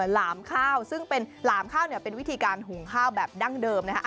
หลามข้าวซึ่งเป็นหลามข้าวเนี่ยเป็นวิธีการหุงข้าวแบบดั้งเดิมนะคะ